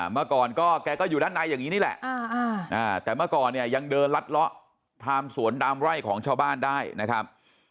เมื่อก่อนก็แกก็อยู่ด้านในอย่างนี้นี่แหละแต่เมื่อก่อนเนี่ยยังเดินลัดเลาะทำสวนตามไร่ของชาวบ้านได้นะครับ